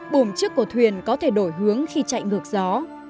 bùm chiếc của thuyền có thể đổi hướng khi chạy ngược gió